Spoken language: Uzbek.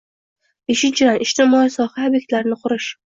Beshinchidan, ijtimoiy soha obyektlarini qurish